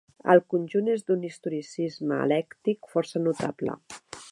El conjunt és d'un historicisme eclèctic força notable.